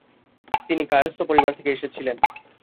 তিনি কায়স্থ পরিবার থেকে এসেছিলেন।